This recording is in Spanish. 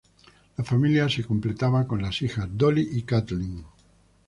La familia se completaba con las hijas: Dolly y Kathleen.